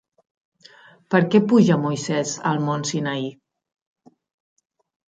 Per què puja Moisès al mont Sinaí?